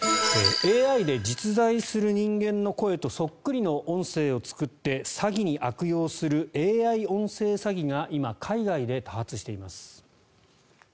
ＡＩで実在する人間の声とそっくりの音声を作って詐欺に悪用するＡＩ音声詐欺が今、海外で多発しています。